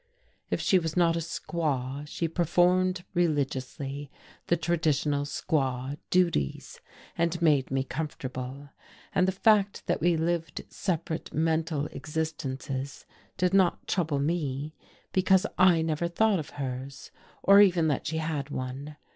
If she was not a squaw, she performed religiously the traditional squaw duties, and made me comfortable: and the fact that we lived separate mental existences did not trouble me because I never thought of hers or even that she had one.